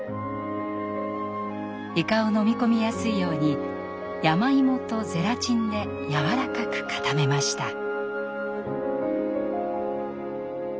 イカを飲み込みやすいように山芋とゼラチンでやわらかく固めました。